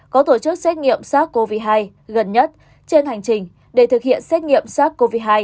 có tổ chức xét nghiệm sars cov hai gần nhất trên hành trình để thực hiện xét nghiệm sars cov hai